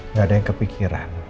nggak ada yang kepikiran